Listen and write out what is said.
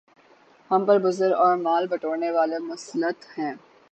ہم پر بزدل اور مال بٹورنے والے مسلط ہیں